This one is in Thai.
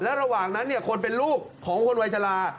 ระหว่างนั้นคนเป็นลูกของคนวัยชะลา